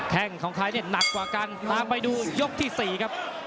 ของใครเนี่ยหนักกว่ากันตามไปดูยกที่๔ครับ